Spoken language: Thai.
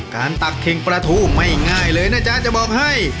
ตักเข่งปลาทูไม่ง่ายเลยนะจ๊ะจะบอกให้